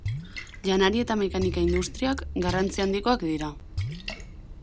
Janari eta mekanika industriak garrantzi handikoak dira.